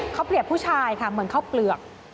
เขาเปรียบผู้ชายค่ะเหมือนข้าวเปลือก